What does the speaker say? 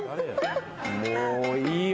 もういいよ。